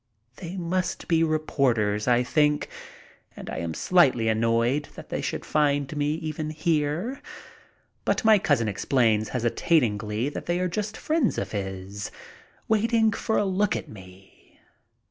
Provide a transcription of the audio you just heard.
They must be reporters, I think, and am slightly annoyed that they should find me even here. But my cousin explains hesitatingly that they are just friends of his waiting for a look at me.